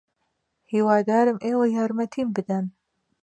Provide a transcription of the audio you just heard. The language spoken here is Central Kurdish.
ھیوادارم ئێوە یارمەتیم بدەن.